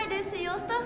スタッフ？